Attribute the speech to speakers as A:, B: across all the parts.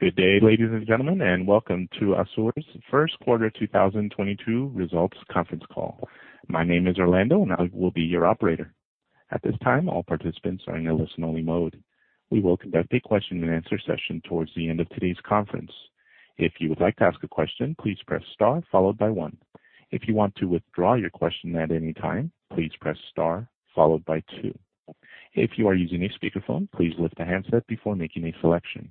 A: Good day, ladies and gentlemen, and welcome to ASUR's first quarter 2022 results conference call. My name is Orlando, and I will be your operator. At this time, all participants are in a listen-only mode. We will conduct a question-and-answer session towards the end of today's conference. If you would like to ask a question, please press star followed by one. If you want to withdraw your question at any time, please press star followed by two. If you are using a speakerphone, please lift the handset before making a selection.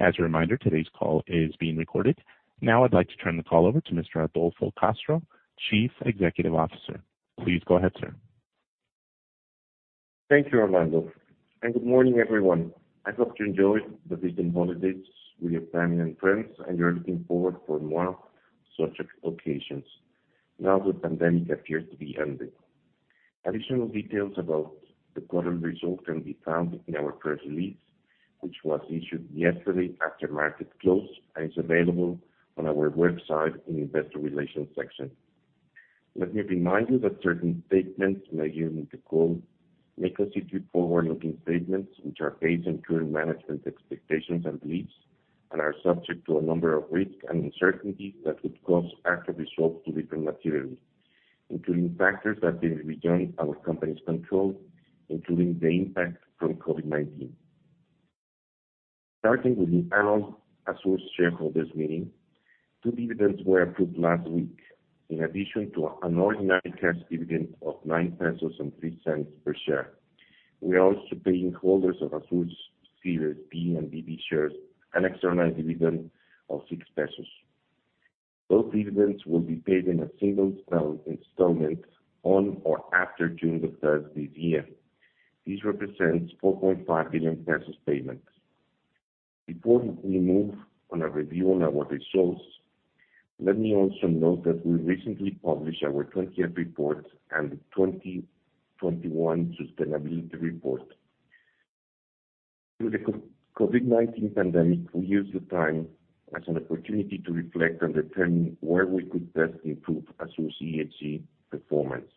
A: As a reminder, today's call is being recorded. Now I'd like to turn the call over to Mr. Adolfo Castro, Chief Executive Officer. Please go ahead, sir.
B: Thank you, Orlando, and good morning, everyone. I hope you enjoyed the recent holidays with your family and friends, and you're looking forward for more such occasions now the pandemic appears to be ending. Additional details about the quarter results can be found in our press release, which was issued yesterday after market close and is available on our website in Investor Relations section. Let me remind you that certain statements made during the call may constitute forward-looking statements, which are based on current management expectations and beliefs and are subject to a number of risks and uncertainties that could cause actual results to differ materially, including factors that may be beyond our company's control, including the impact from COVID-19. Starting with the annual ASUR shareholders meeting, two dividends were approved last week. In addition to an ordinary cash dividend of 9.03 pesos per share, we are also paying holders of ASUR's Series B and BB shares an extraordinary dividend of 6 pesos. Both dividends will be paid in a single installment on or after June 3 this year. This represents 4.5 billion pesos payment. Before we move on to a review of our results, let me also note that we recently published our 20th report and the 2021 sustainability report. Through the COVID-19 pandemic, we used the time as an opportunity to reflect and determine where we could best improve ASUR's ESG performance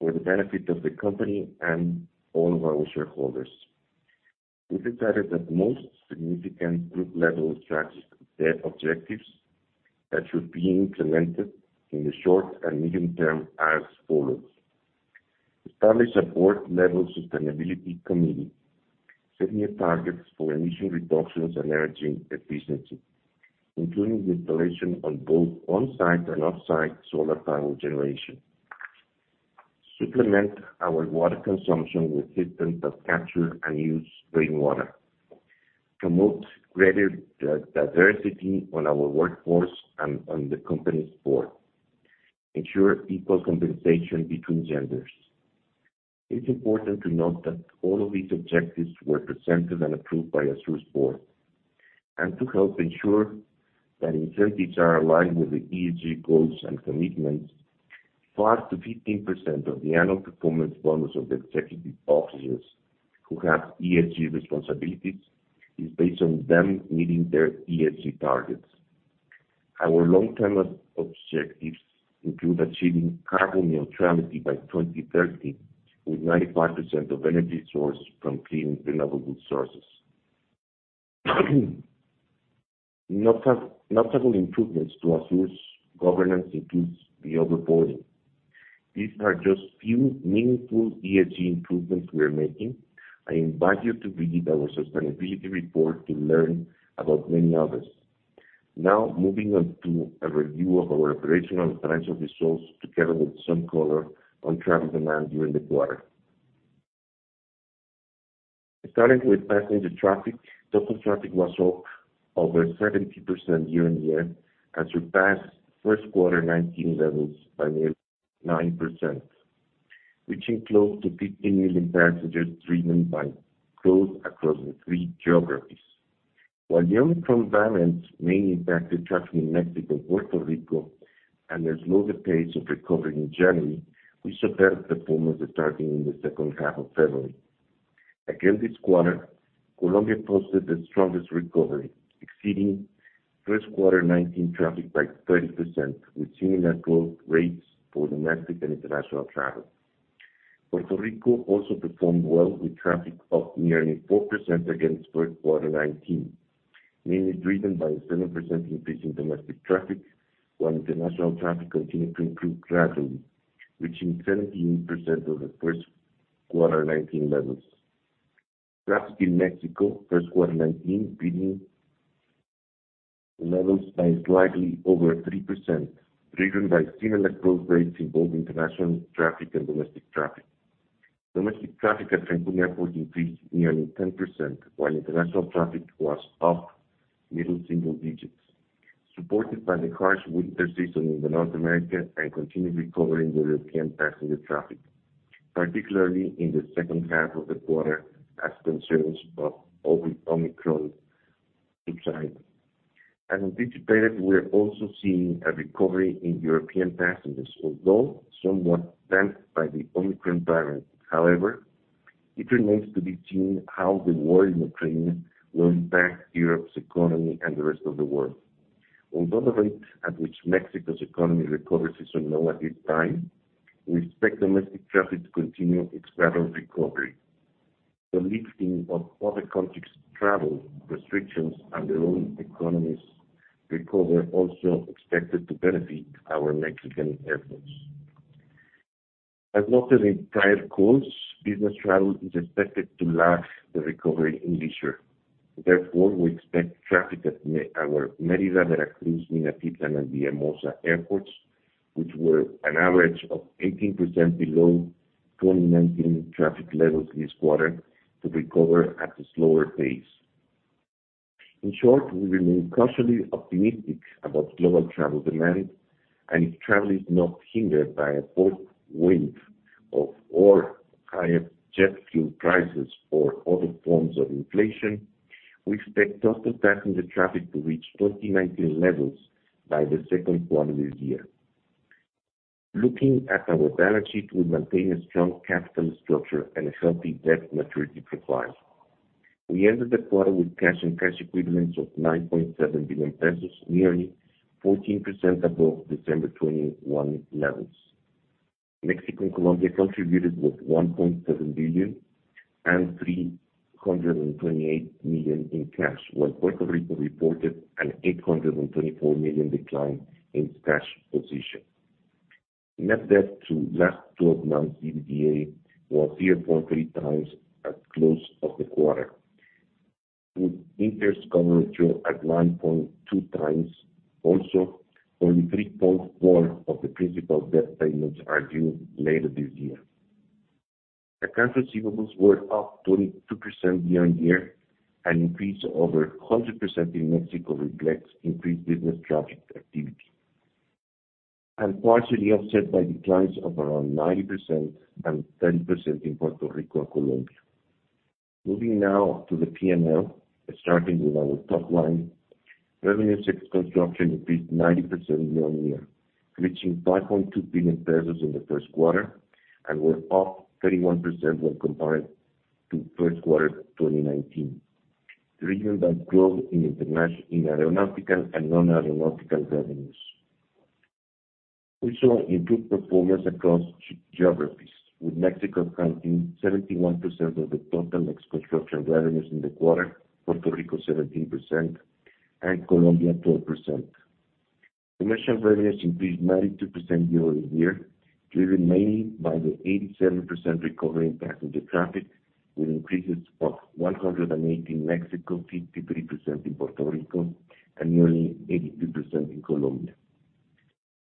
B: for the benefit of the company and all of our shareholders. We decided that the most significant group-level strategic objectives that should be implemented in the short and medium term as follows. Establish a board-level sustainability committee. Setting a target for emission reductions and energy efficiency, including the installation on both on-site and off-site solar panel generation. Supplement our water consumption with systems that capture and use rainwater. Promote greater diversity on our workforce and on the company's board. Ensure equal compensation between genders. It's important to note that all of these objectives were presented and approved by ASUR's board. To help ensure that incentives are aligned with the ESG goals and commitments, 5%-15% of the annual performance bonus of the executive officers who have ESG responsibilities is based on them meeting their ESG targets. Our long-term objectives include achieving carbon neutrality by 2030, with 95% of energy sourced from clean, renewable sources. Notable improvements to ASUR's governance includes the above board. These are just few meaningful ESG improvements we are making. I invite you to read our sustainability report to learn about many others. Now moving on to a review of our operational financial results, together with some color on traffic demand during the quarter. Starting with passenger traffic, total traffic was up over 70% year-over-year and surpassed first quarter 2019 levels by nearly 9%, reaching close to 15 million passengers driven by growth across the three geographies. While the Omicron variant mainly impacted traffic in Mexico, Puerto Rico, and has slowed the pace of recovery in January, we saw better performance starting in the second half of February. Again, this quarter, Colombia posted the strongest recovery, exceeding first quarter 2019 traffic by 30%, with similar growth rates for domestic and international travel. Puerto Rico also performed well with traffic up nearly 4% against first quarter 2019, mainly driven by 7% increase in domestic traffic, while international traffic continued to improve gradually, reaching 17% of the first quarter 2019 levels. Traffic in Mexico first quarter 2019 beating levels by slightly over 3%, driven by similar growth rates in both international traffic and domestic traffic. Domestic traffic at Cancún Airport increased nearly 10%, while international traffic was up middle single digits, supported by the harsh winter season in North America and continued recovery in the European passenger traffic, particularly in the second half of the quarter as concerns of Omicron subsided. We are also seeing a recovery in European passengers, although somewhat damped by the Omicron variant. However, it remains to be seen how the war in Ukraine will impact Europe's economy and the rest of the world. Although the rate at which Mexico's economy recovers is low at this time, we expect domestic traffic to continue its gradual recovery. The lifting of other countries' travel restrictions and their own economies' recovery also expected to benefit our Mexican airports. As noted in prior calls, business travel is expected to lag the recovery in leisure. Therefore, we expect traffic at our Mérida, Veracruz, Minatitlán, and Villahermosa airports, which were an average of 18% below 2019 traffic levels this quarter, to recover at a slower pace. In short, we remain cautiously optimistic about global travel demand, and if travel is not hindered by a fourth wave or higher jet fuel prices or other forms of inflation, we expect passenger traffic to reach 2019 levels by the second quarter this year. Looking at our balance sheet, we maintain a strong capital structure and a healthy debt maturity profile. We ended the quarter with cash and cash equivalents of 9.7 billion pesos, nearly 14% above December 2021 levels. Mexico and Colombia contributed with 1.7 billion and 328 million in cash, while Puerto Rico reported an 824 million decline in cash position. Net debt to last twelve months EBITDA was 0.3 times at close of the quarter, with interest coverage at 9.2 times. Only 3.4% of the principal debt payments are due later this year. Accounts receivables were up 22% year-on-year, an increase over 100% in Mexico reflects increased business traffic activity, and partially offset by declines of around 90% and 10% in Puerto Rico and Colombia. Moving now to the P&L, starting with our top line. Revenues ex construction increased 90% year-on-year, reaching 5.2 billion pesos in the first quarter, and were up 31% when compared to first quarter 2019. Driven by growth in aeronautical and non-aeronautical revenues. We saw improved performance across geographies, with Mexico accounting 71% of the total ex-construction revenues in the quarter, Puerto Rico 17%, and Colombia 12%. Commercial revenues increased 92% year-over-year, driven mainly by the 87% recovery in passenger traffic, with increases of 180% in Mexico, 53% in Puerto Rico, and nearly 82% in Colombia.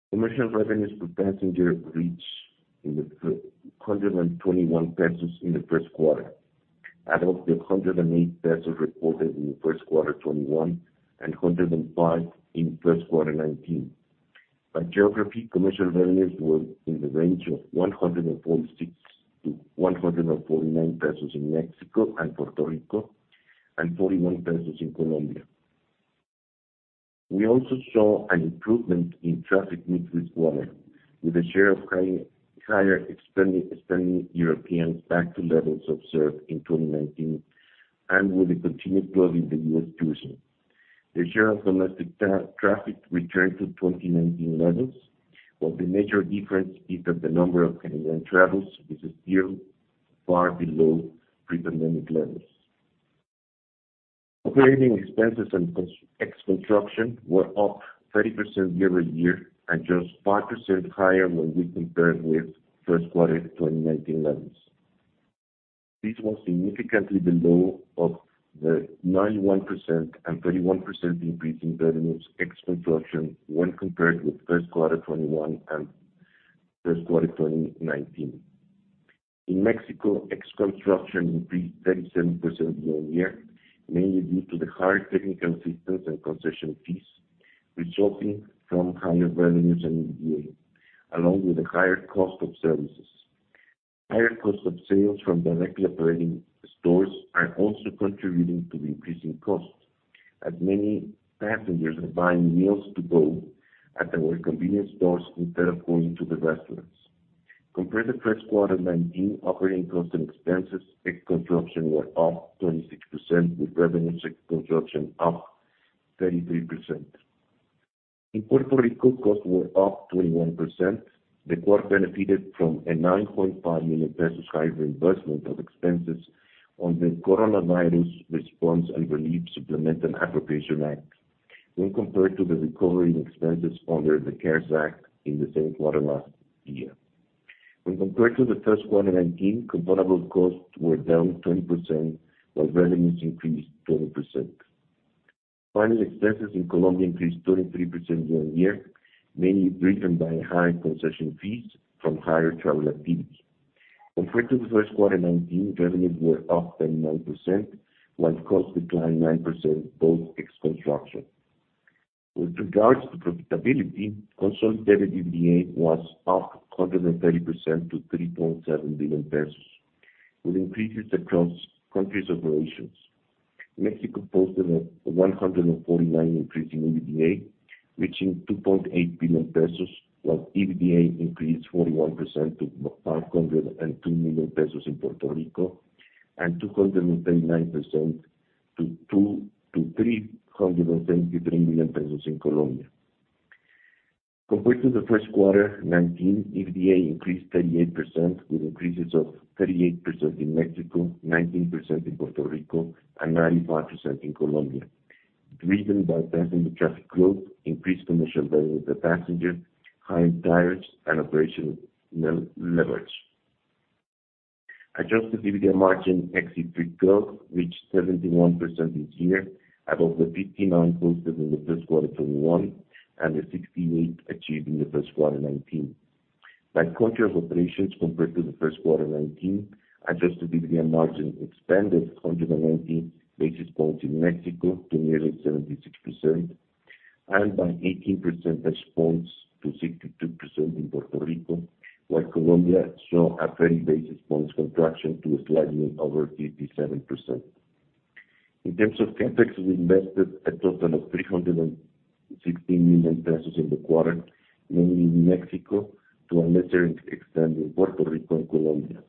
B: Commercial revenues per passenger reached 121 pesos in the first quarter, out of the 108 pesos reported in the first quarter 2021 and 105 in first quarter 2019. By geography, commercial revenues were in the range of 146-149 pesos in Mexico and Puerto Rico and 41 pesos in Colombia. We also saw an improvement in traffic mix this quarter, with a share of higher-spending Europeans back to levels observed in 2019 and with the continued growth in the U.S. tourism. The share of domestic traffic returned to 2019 levels, but the major difference is that the number of Canadian travelers is still far below pre-pandemic levels. Operating expenses and ex-construction were up 30% year-over-year and just 5% higher when we compare with first quarter 2019 levels. This was significantly below that of the 91% and 31% increase in revenues ex-construction when compared with first quarter 2021 and first quarter 2019. In Mexico, ex-construction increased 37% year-over-year, mainly due to the higher technical assistance and concession fees resulting from higher revenues and EBITDA, along with the higher cost of services. Higher cost of sales from directly operating stores are also contributing to the increase in costs, as many passengers are buying meals to go at our convenience stores instead of going to the restaurants. Compared to first quarter 2019, operating costs and expenses ex-construction were up 26%, with revenues ex-construction up 33%. In Puerto Rico, costs were up 21%. The quarter benefited from a 9.5 million pesos higher reimbursement of expenses on the Coronavirus Response and Relief Supplemental Appropriations Act when compared to the recovery in expenses under the CARES Act in the same quarter last year. When compared to the first quarter 2019, comparable costs were down 20%, while revenues increased 12%. Finally, expenses in Colombia increased 23% year-on-year, mainly driven by higher concession fees from higher travel activity. Compared to the first quarter 2019, revenues were up 39%, while costs declined 9%, both ex-construction. With regards to profitability, consolidated EBITDA was up 130% to 3.7 billion pesos, with increases across countries' operations. Mexico posted a 149% increase in EBITDA, reaching 2.8 billion pesos, while EBITDA increased 41% to 502 million pesos in Puerto Rico. EBITDA increased 239% to 253 million pesos in Colombia. Compared to the first quarter 2019, EBITDA increased 38%, with increases of 38% in Mexico, 19% in Puerto Rico, and 95% in Colombia. Driven by passenger traffic growth, increased commercial revenue per passenger, higher fares, and operational leverage. Adjusted EBITDA margin ex-fuel reached 71% this year, above the 59 posted in the first quarter 2021, and the 68 achieved in the first quarter 2019. By country of operations compared to the first quarter 2019, adjusted EBITDA margin expanded 119 basis points in Mexico to nearly 76%, and by 18 percentage points to 62% in Puerto Rico, while Colombia saw a 30 basis points contraction to a slightly over 57%. In terms of CapEx, we invested a total of 316 million pesos in the quarter, mainly in Mexico, to a lesser extent in Puerto Rico and Colombia.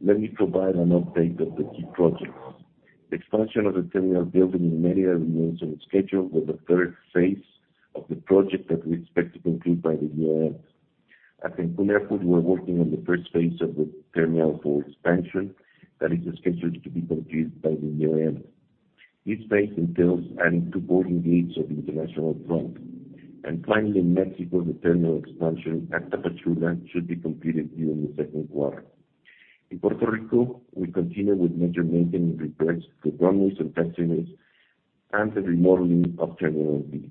B: Let me provide an update of the key projects. Expansion of the terminal building in Mérida remains on schedule with the third phase of the project that we expect to conclude by the year end. At Cancún Airport, we are working on the first phase of the Terminal 4 expansion that is scheduled to be completed by year-end. This phase entails adding two boarding gates on the international front. Finally, in Mexico, the terminal expansion at Tapachula should be completed during the second quarter. In Puerto Rico, we continue with major maintenance repairs to runways and taxiways and the remodeling of Terminal B.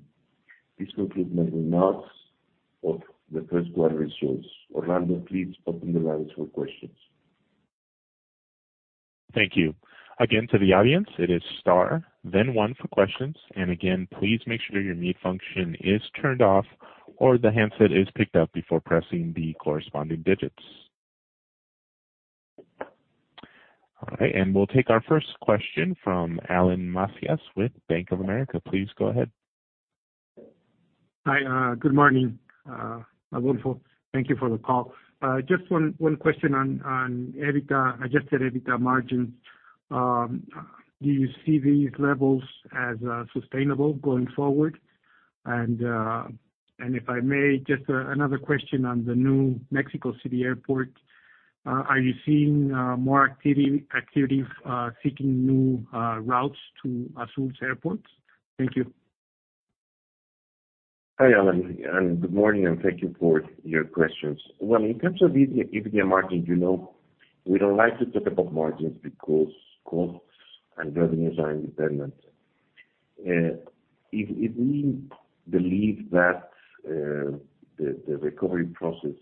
B: This concludes my remarks of the first quarter results. Orlando, please open the lines for questions.
A: Thank you. Again, to the audience, it is star then one for questions. Again, please make sure your mute function is turned off or the handset is picked up before pressing the corresponding digits. All right, we'll take our first question from Alan Macías with Bank of America. Please go ahead.
C: Hi, good morning, Adolfo. Thank you for the call. Just one question on EBITDA, adjusted EBITDA margin. Do you see these levels as sustainable going forward? If I may, just another question on the new Mexico City airport. Are you seeing more activity seeking new routes to ASUR's airports? Thank you.
B: Hi, Alan Macías, and good morning, and thank you for your questions. Well, in terms of EBITDA margin, you know, we don't like to talk about margins because costs and revenues are independent. If we believe that the recovery process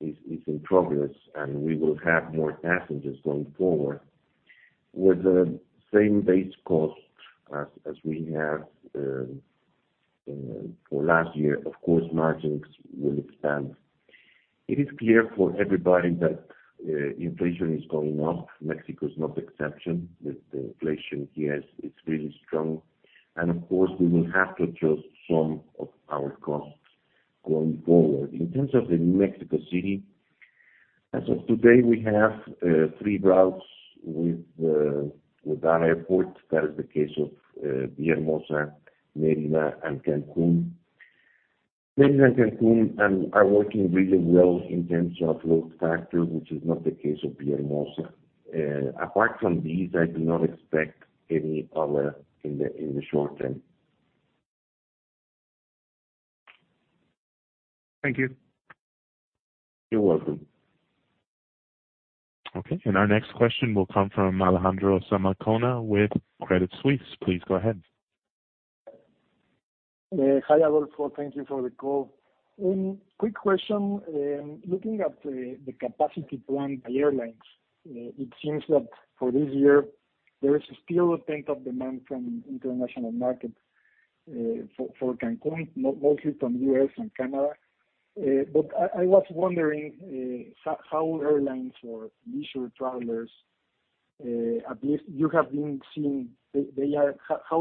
B: is in progress and we will have more passengers going forward with the same base cost as we have for last year, of course, margins will expand. It is clear for everybody that inflation is going up. Mexico is not the exception. The inflation here is really strong. Of course, we will have to adjust some of our costs going forward. In terms of the new Mexico City, as of today, we have three routes with that airport. That is the case of Villahermosa, Mérida, and Cancún. Mérida and Cancún are working really well in terms of load factor, which is not the case of Villahermosa. Apart from these, I do not expect any other in the short term.
C: Thank you.
B: You're welcome.
A: Okay. Our next question will come from Alejandro Zamacona with Credit Suisse. Please go ahead.
D: Hi, Adolfo. Thank you for the call. Quick question. Looking at the capacity plan by airlines, it seems that for this year there is still a pent-up demand from international market for Cancún, mostly from U.S. and Canada. I was wondering how airlines or leisure travelers, at least you have been seeing they are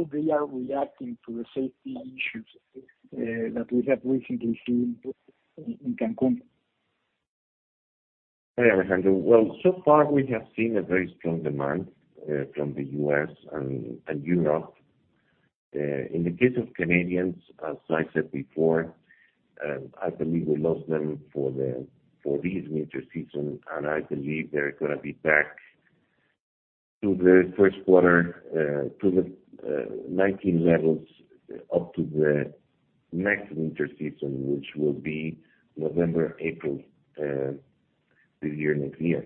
D: reacting to the safety issues that we have recently seen in Cancún.
B: Hi, Alejandro. Well, so far we have seen a very strong demand from the U.S. and Europe. In the case of Canadians, as I said before, I believe we lost them for this winter season, and I believe they're gonna be back to the first quarter to the 2019 levels up to the next winter season, which will be November, April, next year.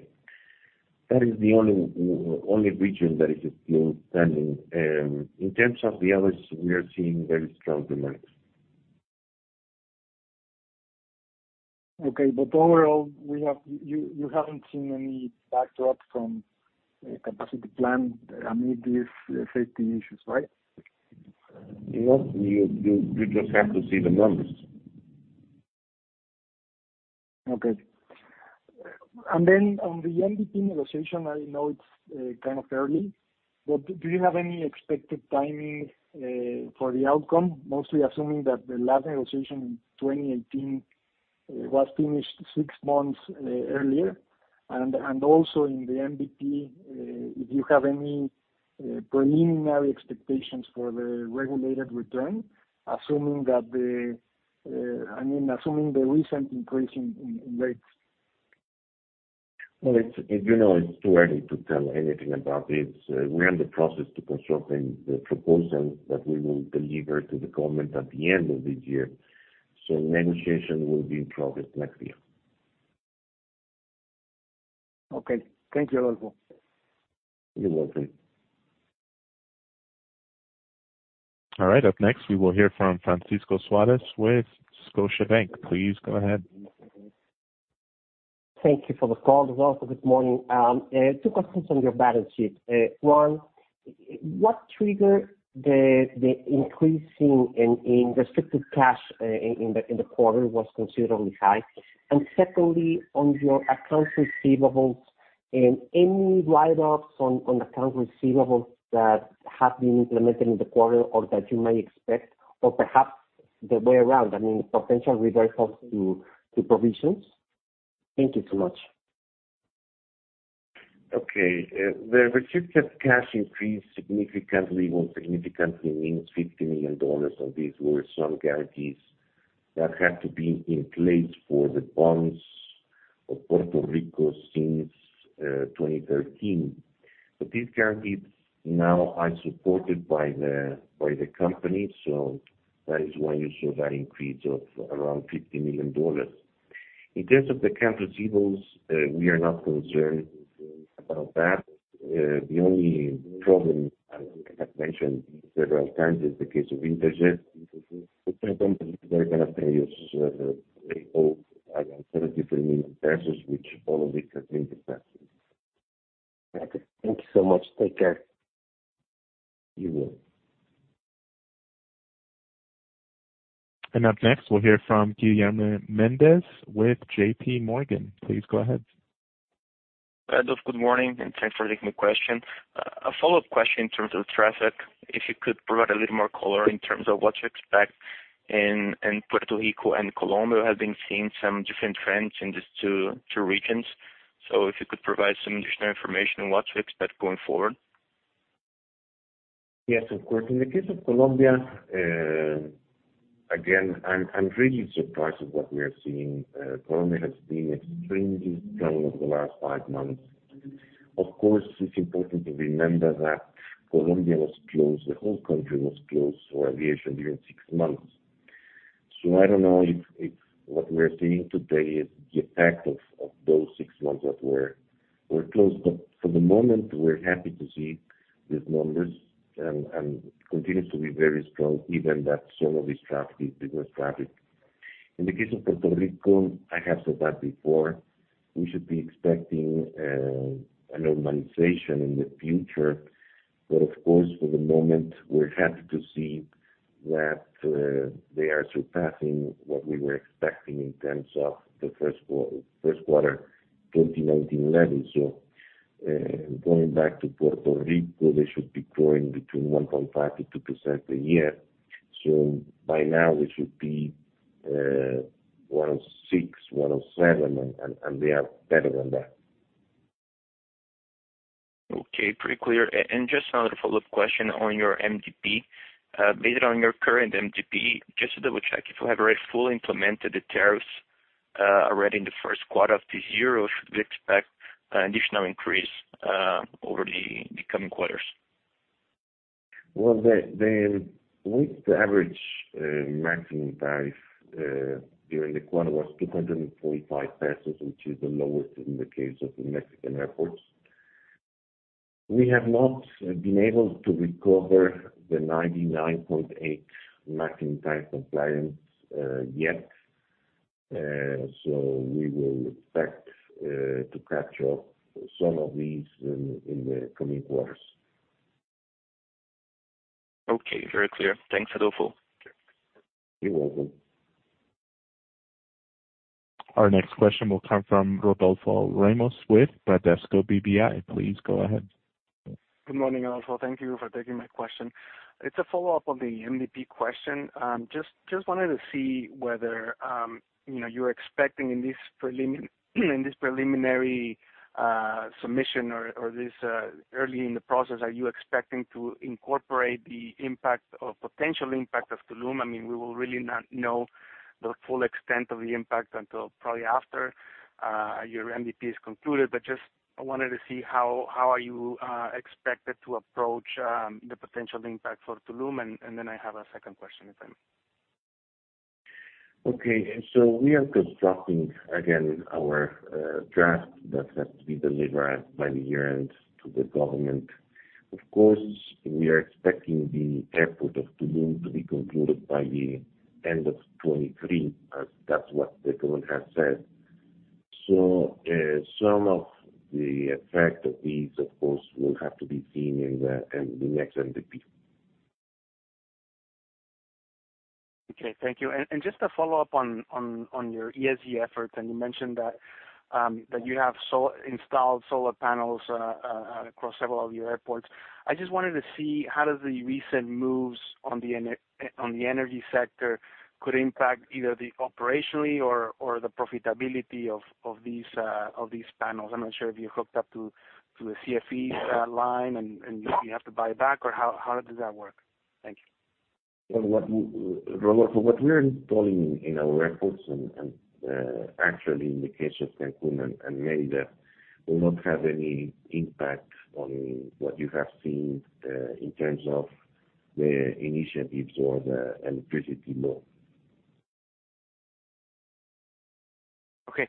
B: That is the only region that is still pending. In terms of the others, we are seeing very strong demand.
D: Okay. You haven't seen any drawback from capacity plan amid these safety issues, right?
B: No. You just have to see the numbers.
D: Okay. On the MDP negotiation, I know it's kind of early, but do you have any expected timing for the outcome? Mostly assuming that the last negotiation in 2018-
E: It was finished six months earlier. Also in the MDP, if you have any preliminary expectations for the regulated return, I mean assuming the recent increase in rates?
B: Well, it's, you know, it's too early to tell anything about this. We're in the process of constructing the proposal that we will deliver to the government at the end of this year. Negotiation will be in progress next year.
E: Okay. Thank you, Adolfo.
B: You're welcome.
A: All right, up next, we will hear from Francisco Suarez with Scotiabank. Please go ahead.
F: Thank you for the call. Adolfo, good morning. Two questions on your balance sheet. One, what triggered the increase in restricted cash in the quarter was considerably high. Secondly, on your accounts receivables, any write-offs on accounts receivables that have been implemented in the quarter or that you may expect or perhaps the way around, I mean, potential reversals to provisions? Thank you so much.
B: Okay. The restricted cash increased significantly. Well, significantly means $50 million of these were some guarantees that had to be in place for the bonds of Puerto Rico since 2013. These guarantees now are supported by the company, so that is why you saw that increase of around $50 million. In terms of the accounts receivable, we are not concerned about that. The only problem, as I have mentioned several times, is the case of Interjet. I don't believe they're gonna pay us, they owe around 33 million MXN, which all of it has been discounted.
F: Okay. Thank you so much. Take care.
B: You too.
A: Up next, we'll hear from Guilherme Mendes with JPMorgan. Please go ahead.
G: Adolfo, good morning, and thanks for taking my question. A follow-up question in terms of traffic, if you could provide a little more color in terms of what you expect in Puerto Rico and Colombia, having seen some different trends in these two regions. If you could provide some additional information on what to expect going forward.
B: Yes, of course. In the case of Colombia, again, I'm really surprised at what we are seeing. Colombia has been extremely strong over the last five months. Of course, it's important to remember that Colombia was closed, the whole country was closed for aviation during six months. I don't know if what we're seeing today is the effect of those six months that were closed. For the moment, we're happy to see these numbers, and it continues to be very strong, even though some of this traffic is business traffic. In the case of Puerto Rico, I have said that before. We should be expecting a normalization in the future. Of course, for the moment, we're happy to see that they are surpassing what we were expecting in terms of the first quarter 2019 levels. Going back to Puerto Rico, they should be growing between 1.5%-2% a year. By now, they should be 106, 107, and they are better than that.
G: Okay, pretty clear. And just another follow-up question on your MDP. Based on your current MDP, just to double-check, if you have already fully implemented the tariffs, already in the first quarter of this year, should we expect additional increase over the coming quarters?
B: The average maximum tariff during the quarter was 245 pesos, which is the lowest in the case of the Mexican airports. We have not been able to recover the 99.8 maximum tariff compliance yet. We will expect to capture some of these in the coming quarters.
G: Okay. Very clear. Thanks, Adolfo.
B: You're welcome.
A: Our next question will come from Rodolfo Ramos with Bradesco BBI. Please go ahead.
E: Good morning, Adolfo. Thank you for taking my question. It's a follow-up on the MDP question. Just wanted to see whether, you know, you're expecting in this preliminary submission or this early in the process, are you expecting to incorporate the potential impact of Tulum. I mean, we will really not know the full extent of the impact until probably after your MDP is concluded. But just I wanted to see how are you expected to approach the potential impact for Tulum. Then I have a second question if I may.
B: Okay. We are constructing, again, our draft that has to be delivered by the year-end to the government. Of course, we are expecting the airport of Tulum to be concluded by the end of 2023, as that's what the government has said. Some of the effect of these, of course, will have to be seen in the next MDP.
E: Okay. Thank you. Just a follow-up on your ESG efforts, and you mentioned that you have installed solar panels across several of your airports. I just wanted to see how the recent moves on the energy sector could impact either operationally or the profitability of these panels. I'm not sure if you hooked up to the CFE's line and if you have to buy back or how does that work? Thank you.
B: Well, Rodolfo, what we are installing in our airports and actually in the case of Cancún and Mérida will not have any impact on what you have seen in terms of the initiatives or the electricity law.
E: Okay.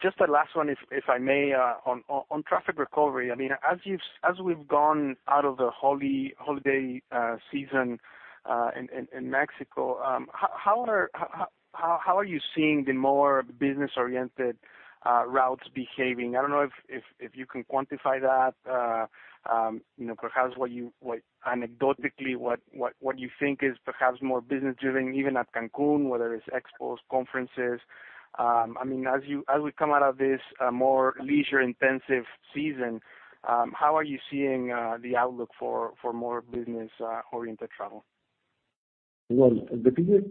E: Just a last one, if I may, on traffic recovery. I mean, as we've gone out of the holiday season in Mexico, how are you seeing the more business-oriented routes behaving? I don't know if you can quantify that. You know, perhaps what you anecdotally think is perhaps more business-driven, even at Cancún, whether it's expos, conferences. I mean, as we come out of this more leisure-intensive season, how are you seeing the outlook for more business-oriented travel?
B: Well, the business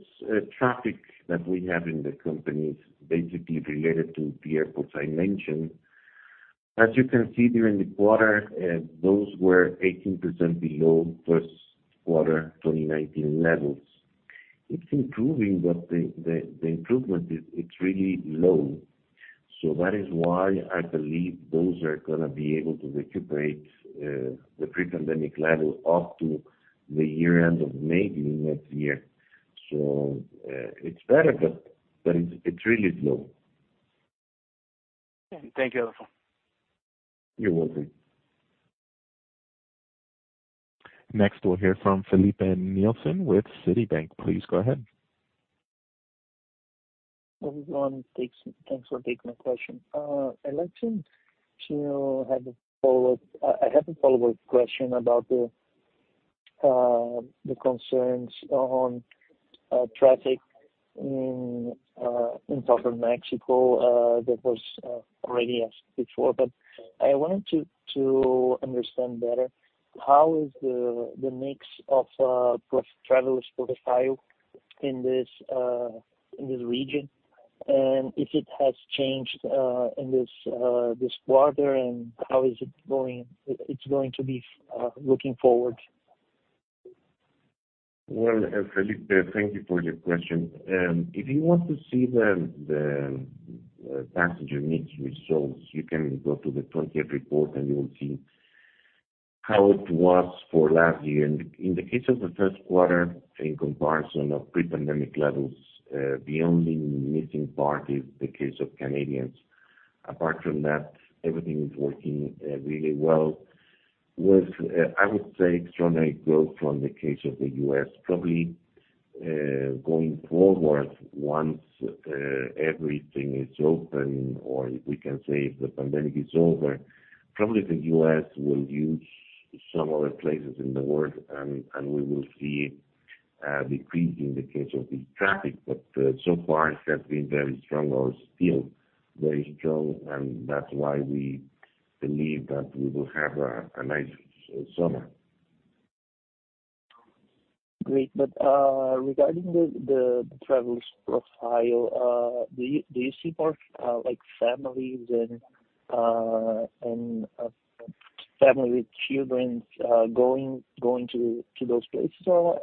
B: traffic that we have in the company is basically related to the airports I mentioned. As you can see there in the quarter, those were 18% below first quarter 2019 levels. It's improving, but the improvement is really low. That is why I believe those are gonna be able to recuperate the pre-pandemic level up to the year end of maybe next year. It's better, but it's really low.
E: Thank you, Adolfo.
B: You're welcome.
A: Next, we'll hear from Felipe Nielsen with Citigroup. Please go ahead.
H: Hello, everyone. Thanks for taking my question. I'd like to have a follow-up. I have a follow-up question about the concerns on traffic in southern Mexico that was already asked before. I wanted to understand better how is the mix of leisure travelers profile in this region, and if it has changed in this quarter, and how is it going to be looking forward?
B: Felipe, thank you for your question. If you want to see the passenger mix results, you can go to the 20th report and you will see how it was for last year. In the case of the first quarter in comparison of pre-pandemic levels, the only missing part is the case of Canadians. Apart from that, everything is working really well. With, I would say extraordinary growth from the case of the U.S. probably going forward once everything is open, or we can say if the pandemic is over, probably the U.S. will use some other places in the world, and we will see a decrease in the case of the traffic. So far it has been very strong or still very strong, and that's why we believe that we will have a nice summer.
H: Great. Regarding the travelers profile, do you see more, like families and family with children, going to those places? Or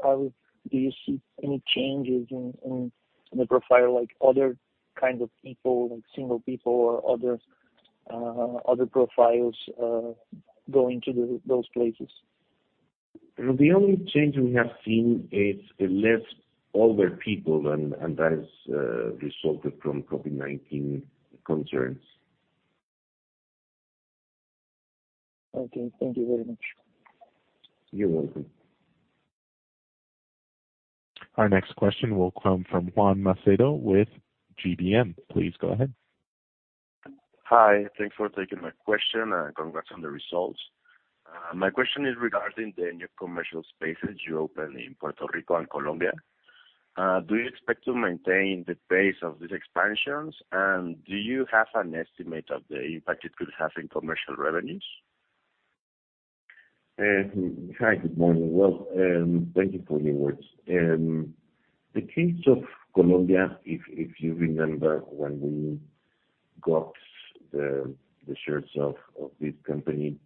H: do you see any changes in the profile, like other kinds of people, like single people or other profiles, going to those places?
B: The only change we have seen is less older people and that is resulted from COVID-19 concerns.
H: Okay. Thank you very much.
B: You're welcome.
A: Our next question will come from Juan Pablo Macedo with GBM. Please go ahead.
I: Hi. Thanks for taking my question, and congrats on the results. My question is regarding the new commercial spaces you opened in Puerto Rico and Colombia. Do you expect to maintain the pace of these expansions, and do you have an estimate of the impact it could have in commercial revenues?
B: Hi. Good morning. Well, thank you for your words. The case of Colombia, if you remember when we got the shares of this company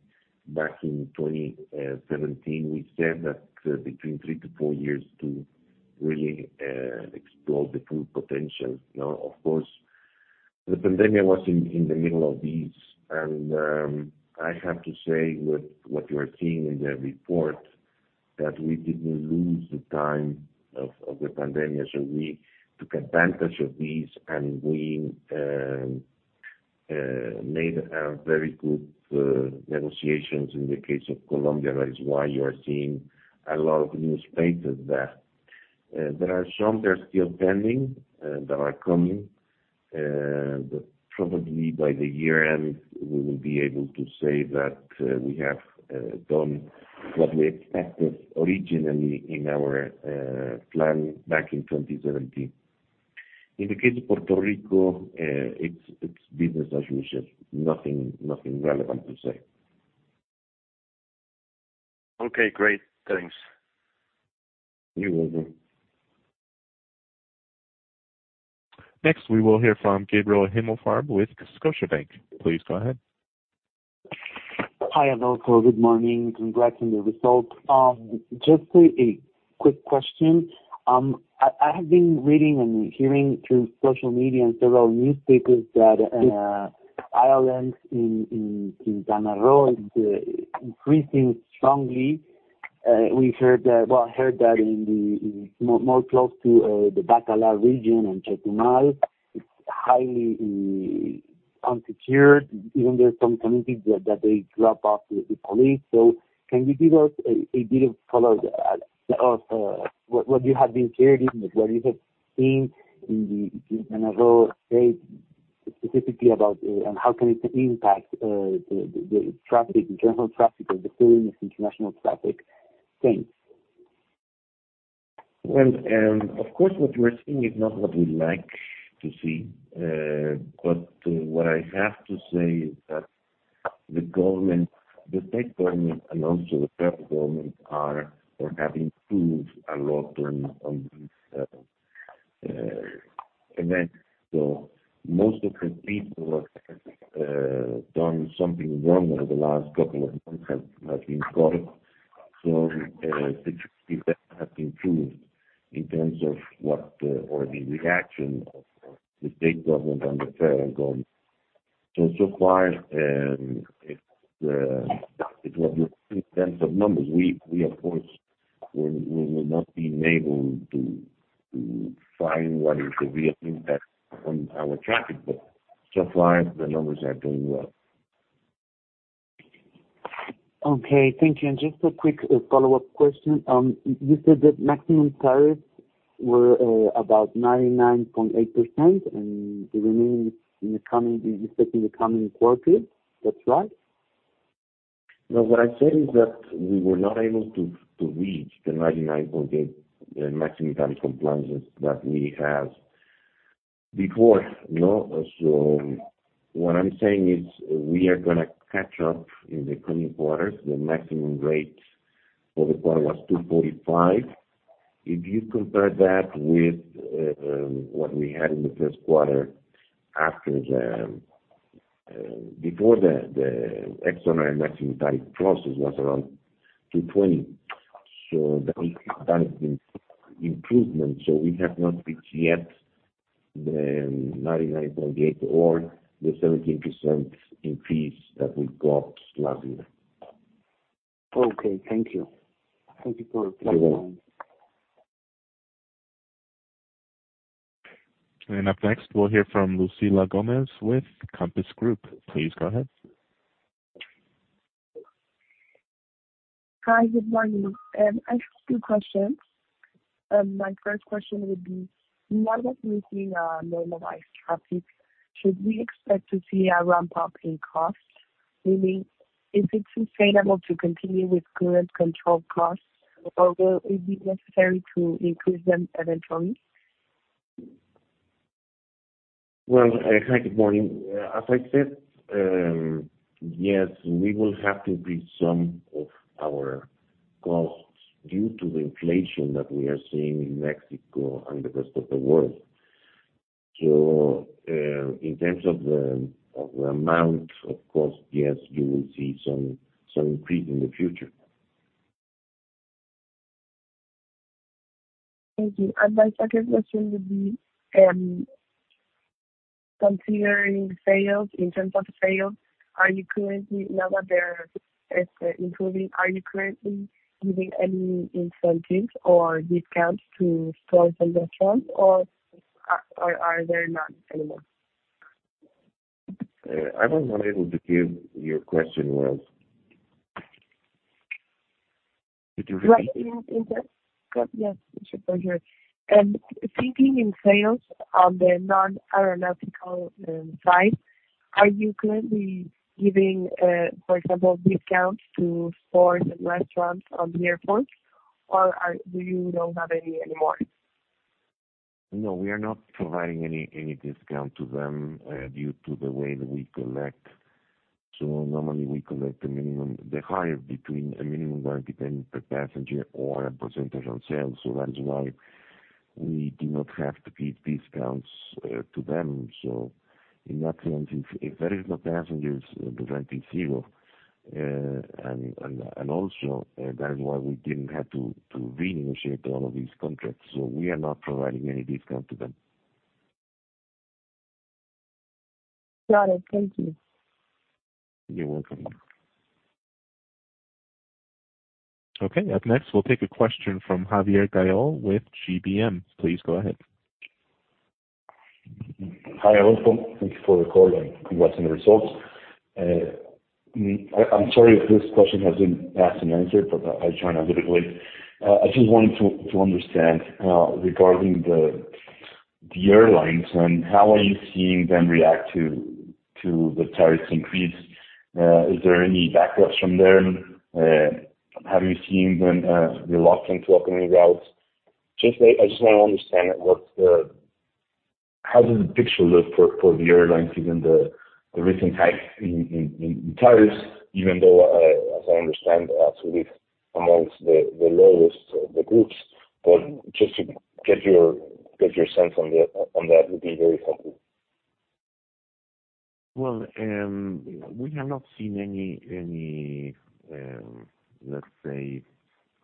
B: back in 2017, we said that between 3-4 years to really explore the full potential. Now, of course, the pandemic was in the middle of these, and I have to say with what you are seeing in the report, that we didn't lose the time of the pandemic. We took advantage of this, and we made very good negotiations in the case of Colombia. That is why you are seeing a lot of new spaces there. There are some that are still pending that are coming, but probably by year-end, we will be able to say that we have done what we expected originally in our plan back in 2017. In the case of Puerto Rico, it's business as usual. Nothing relevant to say.
I: Okay, great. Thanks.
B: You're welcome.
A: Next, we will hear from Gabriel Himelfarb with Scotiabank. Please go ahead.
J: Hi, Adolfo. Good morning. Congrats on the results. Just a quick question. I have been reading and hearing through social media and several newspapers that islands in Quintana Roo is increasing strongly. I heard that in more close to the Bacalar region and Chetumal. It's highly unsecured, even there are some communities that they drop off the police. Can you give us a bit of color of what you have been hearing, what you have seen in the Quintana Roo state, specifically about and how can it impact the traffic, the general traffic of the foreigners, international traffic? Thanks.
B: Well, of course, what we're seeing is not what we like to see. What I have to say is that the government, the state government and also the federal government are or have improved a lot on these events. Most of the people who have done something wrong over the last couple of months have been caught. The security there have improved in terms of the reaction of the state government and the federal government. So far, it will be in terms of numbers. We of course will not be able to find what is the real impact on our traffic, but so far the numbers are doing well.
J: Okay. Thank you. Just a quick follow-up question. You said that maximum tariffs were about 99.8%, and the remaining in the coming years, especially in the coming quarter. That's right?
B: No, what I said is that we were not able to reach the 99.8 maximum tariff compliances that we had before. No. What I'm saying is we are gonna catch up in the coming quarters. The maximum rate for the quarter was 245. If you compare that with what we had in the first quarter before the external maximum tariff process was around 220. That is improvement, so we have not reached yet the 99.8 or the 17% increase that we got last year.
J: Okay. Thank you. Thank you for clarifying.
B: You're welcome.
A: Up next, we'll hear from Lucila Gómez with Compass Group. Please go ahead.
K: Hi. Good morning. I have two questions. My first question would be, now that we're seeing a normalized traffic, should we expect to see a ramp up in costs? Meaning, is it sustainable to continue with current cost controls, or will it be necessary to increase them eventually?
B: Well, hi, good morning. As I said, yes, we will have to increase some of our costs due to the inflation that we are seeing in Mexico and the rest of the world. In terms of the amount of cost, yes, you will see some increase in the future.
K: Thank you. My second question would be, considering sales, in terms of sales, are you currently giving any incentives or discounts to stores and restaurants, now that they're improving, or are there none anymore?
B: I was not able to hear what your question was. Could you repeat?
K: Right. In terms of sales on the non-aeronautical side, are you currently giving, for example, discounts to stores and restaurants in the airports, or do you not have any anymore?
B: No, we are not providing any discount to them due to the way that we collect. Normally we collect a minimum, the higher between a minimum guarantee per passenger or a percentage on sales. That is why we do not have to give discounts to them. In that sense, if there is no passengers, the guarantee is zero. Also, that is why we didn't have to renegotiate all of these contracts. We are not providing any discount to them.
K: Got it. Thank you.
B: You're welcome.
A: Okay. Up next, we'll take a question from Javier Gayol with GBM. Please go ahead.
L: Hi, Adolfo. Thank you for the call and congrats on the results. I'm sorry if this question has been asked and answered, but I'll try analytically. I just wanted to understand regarding the airlines and how are you seeing them react to the tariffs increase. Is there any backlash from them? Have you seen them reluctant to opening routes? I just wanna understand, what's the- How does the picture look for the airlines given the recent hike in fares, even though, as I understand, absolutely among the lowest of the groups? But just to get your sense on that would be very helpful.
B: Well, we have not seen any let's say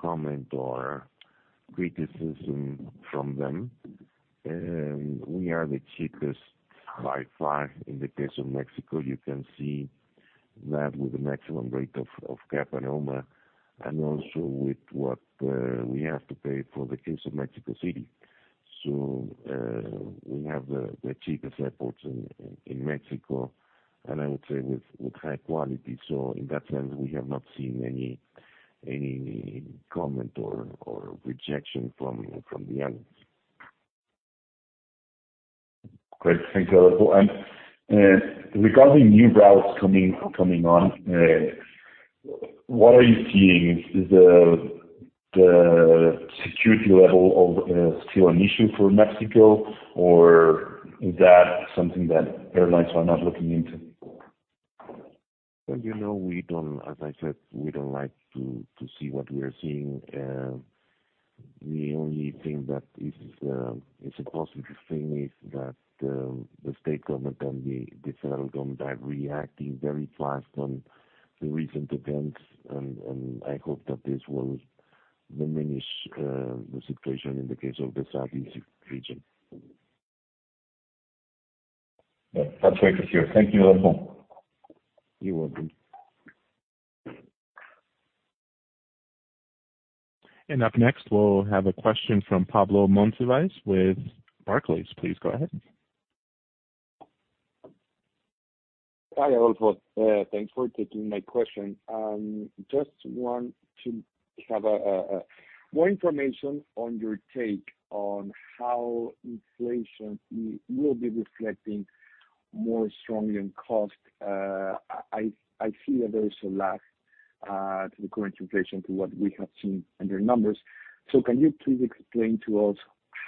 B: comment or criticism from them. We are the cheapest by far in the case of Mexico. You can see that with the maximum rate of GAP and OMA, and also with what we have to pay for the case of Mexico City. We have the cheapest airports in Mexico, and I would say with high quality. In that sense, we have not seen any comment or rejection from the airlines.
L: Great. Thanks, Adolfo. Regarding new routes coming on, what are you seeing? Is the security level still an issue for Mexico, or is that something that airlines are not looking into?
B: Well, you know, as I said, we don't like to see what we are seeing. The only thing that is a positive thing is that the state government and the federal government are reacting very fast on the recent events. I hope that this will diminish the situation in the case of the southeast region.
L: Yeah, that's very secure. Thank you, Adolfo.
B: You're welcome.
A: Up next, we'll have a question from Pablo Monsiváis with Barclays. Please go ahead.
M: Hi, Adolfo. Thanks for taking my question. Just want to have more information on your take on how inflation will be reflecting more strongly on cost. I see that there is a lag to the current inflation to what we have seen in your numbers. Can you please explain to us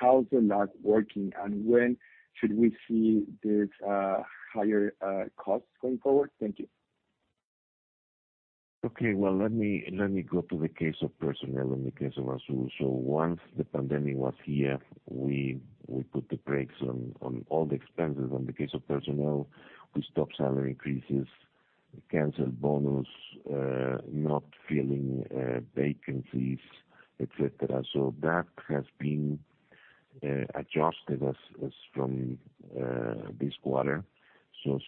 M: how is the lag working, and when should we see this higher cost going forward? Thank you.
B: Okay. Well, let me go to the case of personnel in the case of ASUR. Once the pandemic was here, we put the brakes on all the expenses. On the case of personnel, we stopped salary increases, canceled bonus, not filling vacancies, et cetera. That has been adjusted as from this quarter.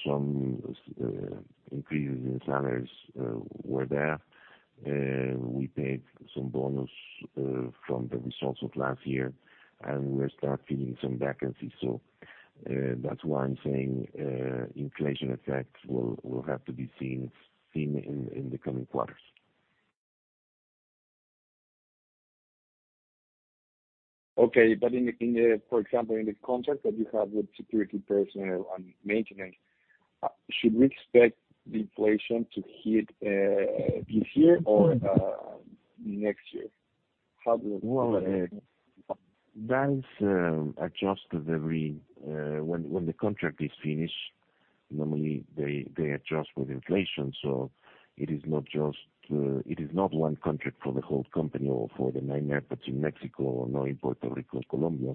B: Some increases in salaries were there. We paid some bonus from the results of last year, and we start filling some vacancies. That's why I'm saying, inflation effects will have to be seen in the coming quarters.
M: Okay. For example, in the contract that you have with security personnel on maintenance, should we expect the inflation to hit this year or next year? How do you-
B: Well, that is adjusted every when the contract is finished, normally they adjust with inflation. It is not one contract for the whole company or for the nine airports in Mexico or now in Puerto Rico and Colombia.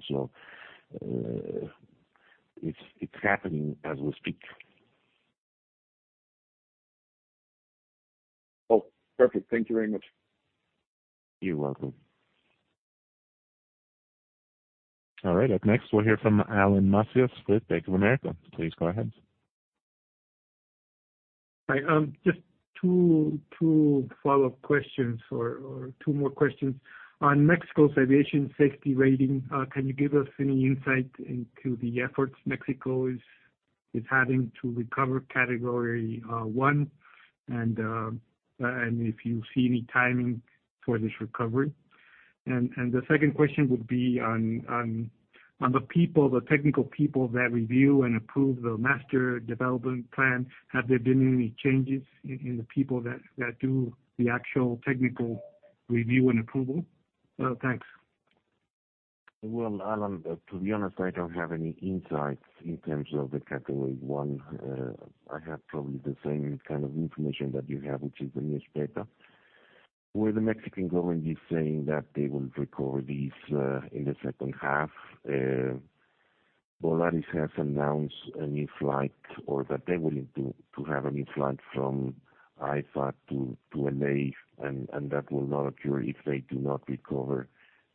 B: It's happening as we speak.
M: Oh, perfect. Thank you very much.
B: You're welcome.
A: All right. Up next, we'll hear from Alan Macias with Bank of America. Please go ahead.
C: Hi. Just two follow-up questions or two more questions. On Mexico's aviation safety rating, can you give us any insight into the efforts Mexico is having to recover category one and if you see any timing for this recovery? The second question would be on the people, the technical people that review and approve the master development plan. Have there been any changes in the people that do the actual technical review and approval? Thanks.
B: Well, Alan, to be honest, I don't have any insights in terms of the category one. I have probably the same kind of information that you have, which is the newspaper, where the Mexican government is saying that they will recover this in the second half. Volaris has announced a new flight or that they're willing to have a new flight from AIFA to L.A., and that will not occur if they do not recover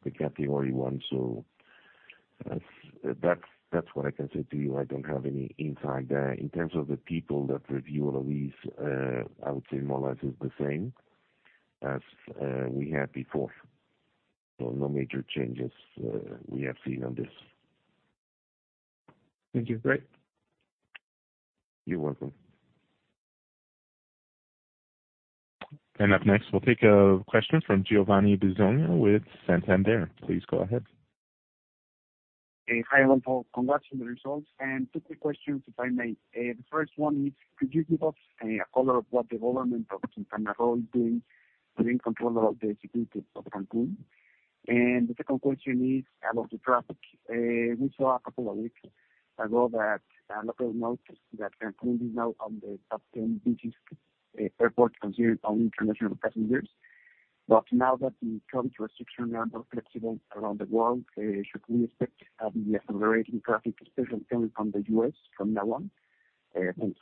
B: the category one. That's what I can say to you. I don't have any insight there. In terms of the people that review all these, I would say more or less is the same as we had before. No major changes, we have seen on this.
C: Thank you. Great.
B: You're welcome.
A: Up next, we'll take a question from Giovanni Bisogno with Santander. Please go ahead.
N: Hi, Adolfo. Congrats on the results. Two quick questions, if I may. The first one is, could you give us a color on what the government of Quintana Roo is doing to gain control of the security of Cancún? The second question is about the traffic. We saw a couple of weeks ago that local news that Cancún is now on the top ten busiest airports considered on international passengers. Now that the travel restrictions are more flexible around the world, should we expect accelerating traffic, especially coming from the U.S. from now on? Thanks.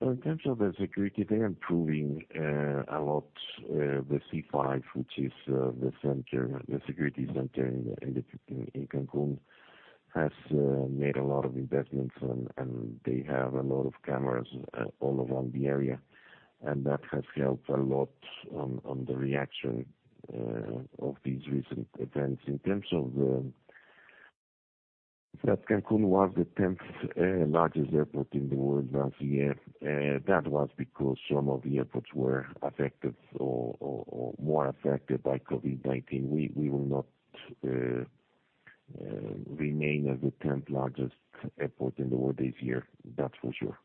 B: In terms of the security, they are improving a lot. The C-5, which is the security center in Cancun, has made a lot of investments and they have a lot of cameras all around the area. That has helped a lot on the reaction of these recent events. That Cancun was the tenth largest airport in the world last year. That was because some of the airports were affected or more affected by COVID-19. We will not remain as the tenth largest airport in the world this year. That's for sure.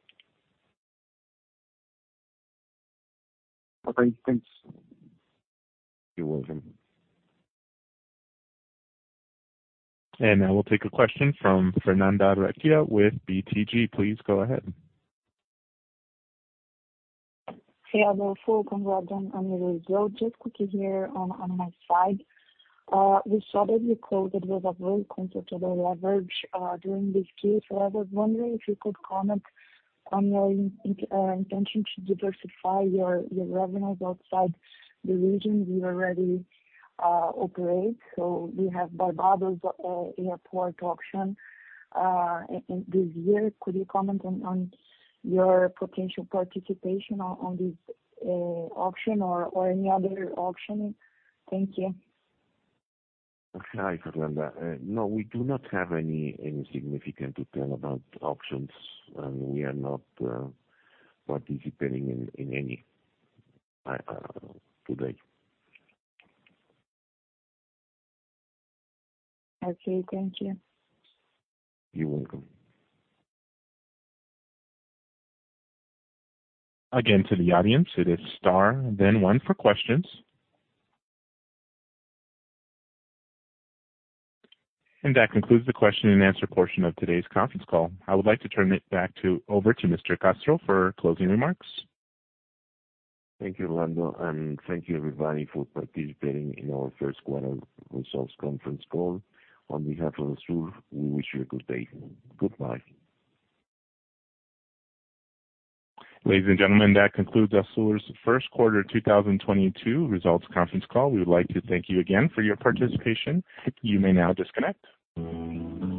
N: Okay, thanks.
B: You're welcome.
A: Now we'll take a question from Fernanda Recchia with BTG. Please go ahead.
O: Hey, Adolfo. Congrats on the results. Just quickly here on my side. We saw that you closed with a very considerable leverage during this period. I was wondering if you could comment on your intention to diversify your revenues outside the region you already operate. You have Barbados airport auction in this year. Could you comment on your potential participation on this auction or any other auction? Thank you.
B: Hi, Fernanda. No, we do not have anything significant to tell about auctions, and we are not participating in any today.
O: Okay, thank you.
B: You're welcome.
A: Again, to the audience, it is star, then one for questions. That concludes the question and answer portion of today's conference call. I would like to turn it over to Mr. Castro for closing remarks.
B: Thank you, Orlando, and thank you everybody for participating in our first quarter results conference call. On behalf of ASUR, we wish you a good day. Goodbye.
A: Ladies and gentlemen, that concludes ASUR's first quarter 2022 results conference call. We would like to thank you again for your participation. You may now disconnect.